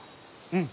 うん。